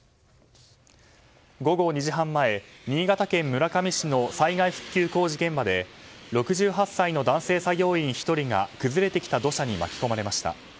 午後２時半前、新潟県村上市の災害復旧工事現場で６８歳の男性作業員１人が崩れてきた土砂に巻き込まれました。